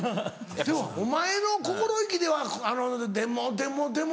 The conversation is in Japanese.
でもお前の心意気では「でもでもでも」